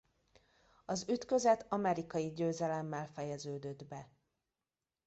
Az ütközet amerikai győzelemmel fejeződött be.